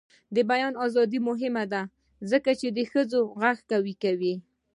د بیان ازادي مهمه ده ځکه چې ښځو غږ قوي کوي.